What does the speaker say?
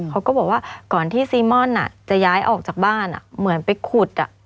เขาก็บอกว่าก่อนที่ซีม่อนจะย้ายออกจากบ้านเหมือนไปขุด